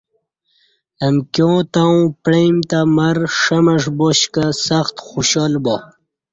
امکیاں تاوں پعئیم تہ مر ݜمݜ باش کہ سخت خوشحال با